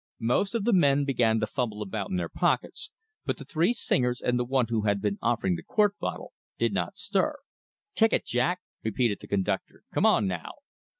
Most of the men began to fumble about in their pockets, but the three singers and the one who had been offering the quart bottle did not stir. "Ticket, Jack!" repeated the conductor, "come on, now."